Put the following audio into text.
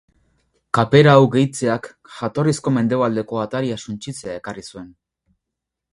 Kapera hau gehitzeak jatorrizko mendebaldeko ataria suntsitzea ekarri zuen.